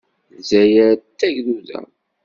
Lezzayer d tagduda.